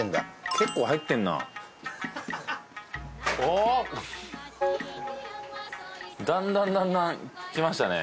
結構入ってんなおおだんだんだんだんきましたね